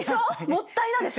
もったいないでしょう？